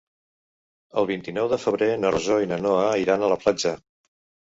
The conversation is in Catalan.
El vint-i-nou de febrer na Rosó i na Noa iran a la platja.